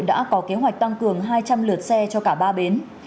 đã có kế hoạch tăng cường hai trăm linh lượt xe cho cả ba bến